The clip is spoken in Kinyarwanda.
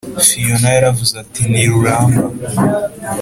Fiona yaravuze ati ntiruramba